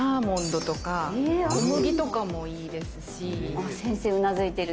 あっ先生うなずいてる。